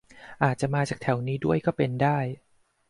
อาจจะมาจากแถวนี้ด้วยก็เป็นได้